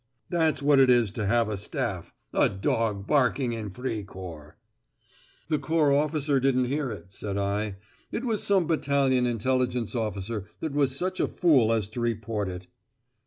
That's what it is to have a Staff 'A dog barking in Fricourt!'" "The Corps officer didn't hear it," said I. "It was some battalion intelligence officer that was such a fool as to report it."